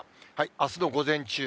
あすの午前中。